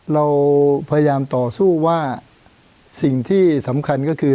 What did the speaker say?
เราพยายามต่อสู้ว่าสิ่งที่สำคัญก็คือ